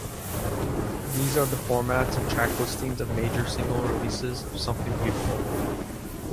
These are the formats and track listings of major single releases of "Something Beautiful".